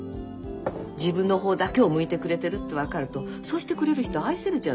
自分の方だけを向いてくれてるって分かるとそうしてくれる人を愛せるじゃない。